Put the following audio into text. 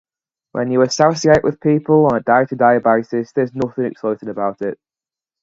When you associate with people on a day-to-day basis, there's nothing exciting about it.